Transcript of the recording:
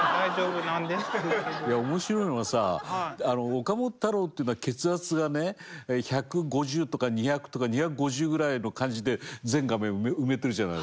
いや面白いのはさ岡本太郎っていうのは血圧がね１５０とか２００とか２５０ぐらいの感じで全画面埋めてるじゃないですか。